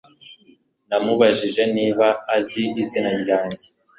namubajije niba azi izina ryanjye